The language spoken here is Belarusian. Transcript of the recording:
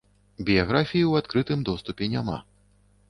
Біяграфіі ў адкрытым доступе няма.